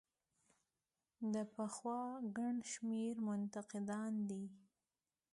دا پخوا ګڼ شمېر منتقدان دي.